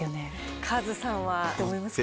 カズさんはどう思いますか？